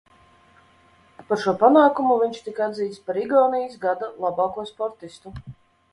Par šo panākumu viņš tika atzīts par Igaunijas Gada labāko sportistu.